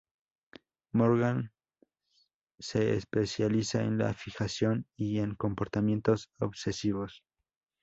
Morgan se especializa en la fijación y en comportamientos obsesivos.